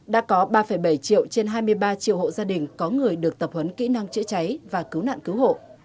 đã có ba bảy triệu trên hai mươi ba triệu hộ gia đình có người được tập huấn kỹ năng chữa cháy và cứu nạn cứu hộ